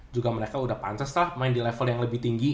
juga mereka udah panses lah main di level yang lebih tinggi